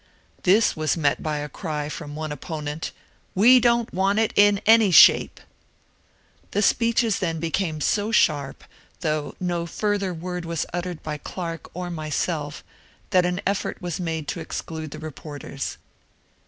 This was met by a cry from one opponent, " We don't want it in any shape !" The speeches then became so sharp, though no further word was uttered by Clarke or myself, that an effort was made to exclude the reporters.